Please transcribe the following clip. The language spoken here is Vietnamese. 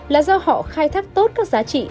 là do họ khai thác tốt các giá trị